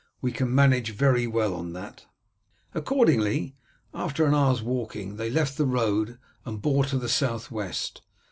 We can manage very well on that." Accordingly after an hour's walking they left the road and bore to the south west.